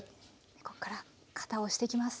こっから型を押していきます。